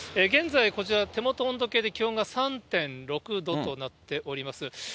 現在こちら、手元の温度計で気温が３．６度となっております。